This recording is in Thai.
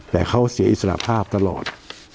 แต่เขาเสียอิสระภาพตลอด